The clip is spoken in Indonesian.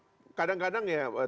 termasuk kalau pertanyaan masyarakat